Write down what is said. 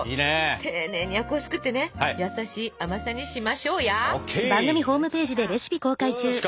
丁寧にあくをすくってね優しい甘さにしましょうや。ＯＫ！